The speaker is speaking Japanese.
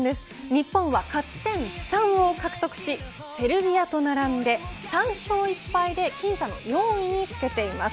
日本は勝ち点３を獲得しセルビアと並んで３勝１敗で僅差の４位につけています。